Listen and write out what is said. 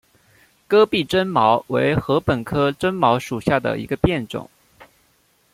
戈壁针茅为禾本科针茅属下的一个变种。